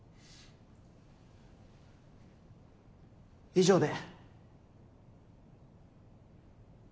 以上で。